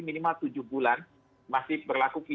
minimal tujuh bulan masih berlaku